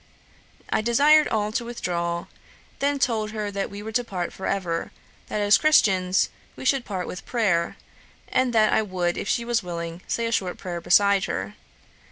'I desired all to withdraw, then told her that we were to part for ever; that as Christians, we should part with prayer; and that I would, if she was willing, say a short prayer beside her.